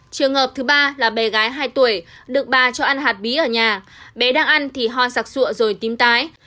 trường hợp thứ ba là bé gái hai tuổi được bà cho ăn hạt bí ở nhà bé đang ăn thì ho sặc sụa rồi tím tái